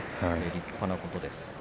立派なことです。